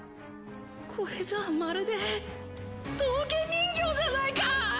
これじゃまるで道化人形じゃないか！